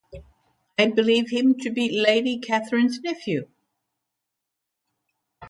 I believe him to be Lady Catherine's nephew.